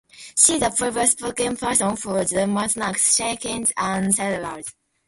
She is a previous spokesperson for Glucerna snacks, shakes and cereals.